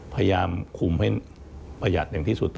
พยายามคุมให้ประหยัดอย่างที่สุด